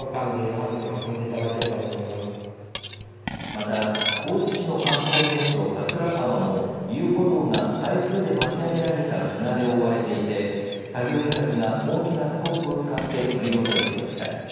また、高知市の観光名所桂浜も遊歩道が台風で巻き上げられた砂で覆われていて作業員たちが大きなスコップを使って取り除いていました。